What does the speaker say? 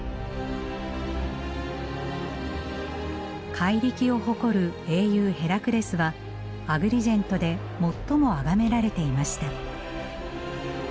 怪力を誇る英雄ヘラクレスはアグリジェントで最もあがめられていました。